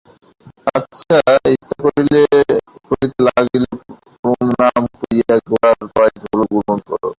তাহার ইচ্ছা করিতে লাগিল প্রণাম করিয়া গোরার পায়ের ধুলা গ্রহণ করে।